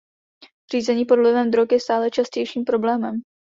Řízení pod vlivem drog je stále častějším problémem.